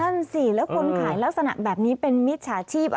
นั่นสิแล้วคนขายลักษณะแบบนี้เป็นมิจฉาชีพ